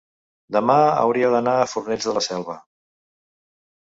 demà hauria d'anar a Fornells de la Selva.